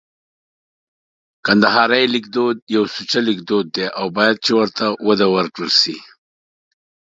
کندهارۍ لیکدود یو سوچه لیکدود دی او باید چي ورته وده ورکول سي